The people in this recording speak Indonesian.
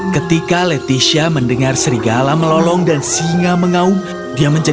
ketika leticia mendengar serigala menangis leticia berkata